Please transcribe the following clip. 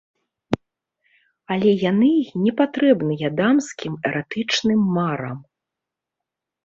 Але яны й непатрэбныя дамскім эратычным марам.